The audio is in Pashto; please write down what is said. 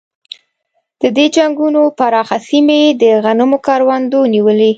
د دې جلګو پراخه سیمې د غنمو کروندو نیولې.